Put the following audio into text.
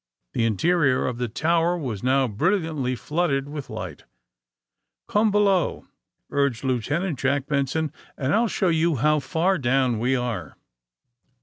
The interior of the tower was now brilliantly flooded with light. ^^Come below," urged Lieutenant Jack Ben son, *^and I'll show how far down we are.'